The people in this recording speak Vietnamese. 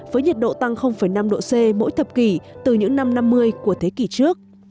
với nhiệt độ tăng năm độ c mỗi thập kỷ từ những năm năm mươi của thế kỷ trước